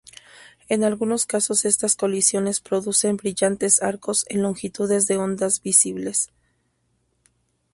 En algunos casos estas colisiones producen brillantes arcos en longitudes de onda visibles.